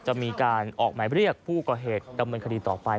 จะมีการออกหมายเรียกผู้ก่อเหตุดำเนินคดีต่อไป